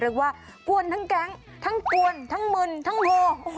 เรียกว่ากวนทั้งแก๊งทั้งกวนทั้งมึนทั้งโฮ